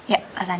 yuk ra nantarin